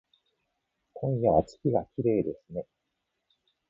今夜は月がきれいですね